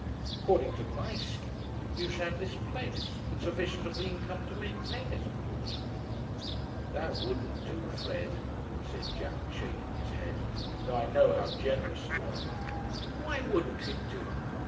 According to my scheme you should have this place, and sufficient of the income to maintain it of course." "That wouldn't do, Fred," said Jack, shaking his head, "though I know how generous you are." "Why wouldn't it do?"